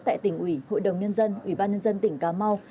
tại tỉnh ủy hội đồng nhân dân ủy ban nhân dân tỉnh cà mau